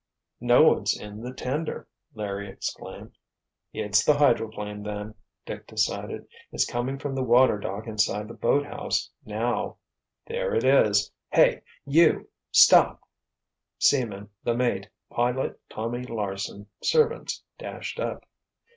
"No one's in the tender!" Larry exclaimed. "It's the hydroplane, then!" Dick decided. "It's coming from the water dock inside the boathouse, now—there it is. Hey! You! Stop!" Seamen, the mate, Pilot Tommy Larsen, servants, dashed up.